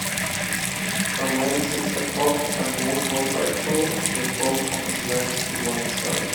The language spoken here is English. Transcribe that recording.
A man sits atop a motorcycle with both of his legs to one side.